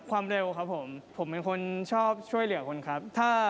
ผมอยากเป็นชาวเซเวียครับ